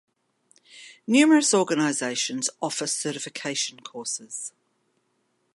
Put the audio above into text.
Numerous organizations offer certification courses.